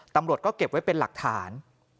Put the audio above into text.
ตำรวจก็เก็บไว้เป็นหลักฐาน